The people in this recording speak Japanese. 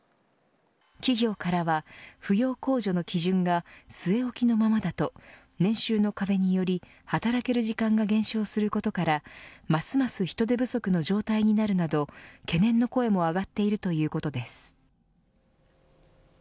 企業からは、扶養控除の基準が据え置きのままだと年収の壁により働ける時間が減少することからますます人手不足の状態になるなど懸念の声も上がっているということです。